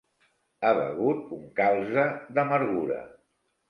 Ha begut un calze d'amargura.